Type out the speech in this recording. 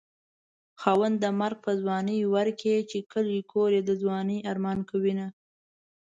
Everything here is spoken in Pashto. خاونده مرګ په ځوانۍ ورکړې چې کلی کور يې د ځوانۍ ارمان کوينه